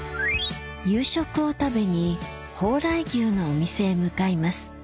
夕食を食べに鳳来牛のお店へ向かいます